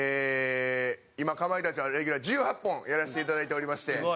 今、かまいたちはレギュラー１８本やらせていただいておりまして。